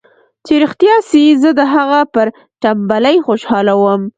چې رښتيا سي زه د هغه پر ټمبلۍ خوشاله وم.